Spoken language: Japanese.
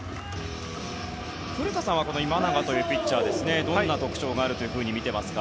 古田さんは今永というピッチャーをどんな特徴があると見ていますか。